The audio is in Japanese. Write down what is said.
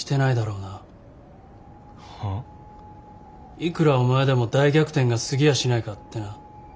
いくらお前でも大逆転が過ぎやしないかってな。